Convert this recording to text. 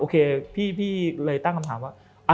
พี่เลยตั้งคำถามว่า